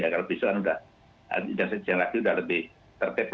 kalau besokan sudah lebih tertek